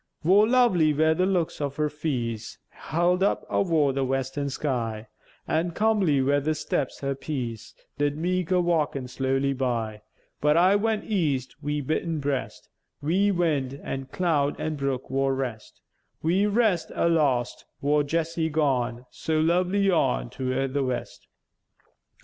Vor lovely wer the looks her feäce Held up avore the western sky: An' comely wer the steps her peäce Did meäke a walkèn slowly by: But I went east, wi' beatèn breast, Wi' wind, an' cloud, an' brook, vor rest, Wi' rest a lost, vor Jessie gone So lovely on, toward the west.